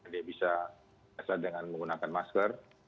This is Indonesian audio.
dia bisa dengan menggunakan masker